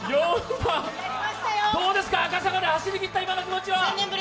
どうですか、赤坂を走りきった今の気持ちは。